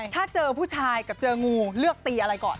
ถ้าเจอผู้ชายกับเจองูเลือกตีอะไรก่อน